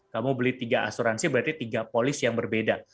kamu beli tiga asuransi berarti tiga polis yang berbeda